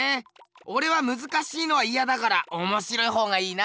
おれはむずかしいのはイヤだからおもしろいほうがいいな。